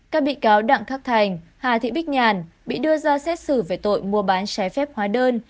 các bị cáo đặng khắc thành hà thị bích nhàn bị đưa ra xét xử về tội mua bán trái phép hóa đơn